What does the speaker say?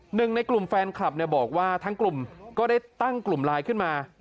หนึ่งในกลุ่มแฟนคลับเนี่ยบอกว่าทั้งกลุ่มก็ได้ตั้งกลุ่มไลน์ขึ้นมา